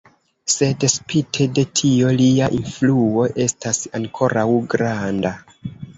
Sed spite de tio, lia influo estas ankoraŭ granda.